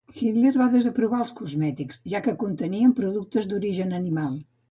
Hitler va desaprovar els cosmètics, ja que contenien productes d'origen animal